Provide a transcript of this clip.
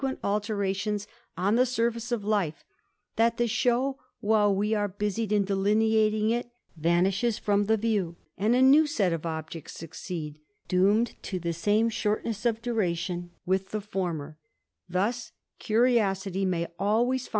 * alterations on the surface of life, that the show, while ^^ are busied in delineating it, vanishes from the view, and ^ new set of objects succeed, doomed to the same shortne^^ of duration with the former : thus curiosity may always fin.